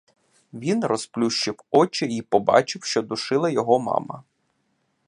Він розплющив очі й побачив, що душила його мама.